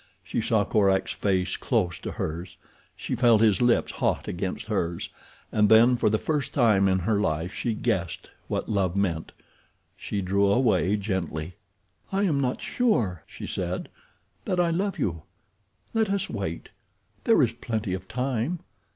She saw Korak's face close to hers, she felt his lips hot against hers, and then for the first time in her life she guessed what love meant. She drew away, gently. "I am not sure," she said, "that I love you. Let us wait. There is plenty of time.